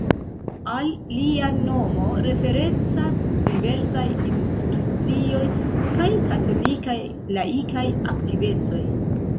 Al lia nomo referencas diversaj institucioj kaj katolikaj laikaj aktivecoj.